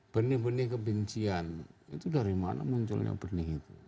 benih benih kebencian itu dari mana munculnya benih itu